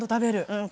うん。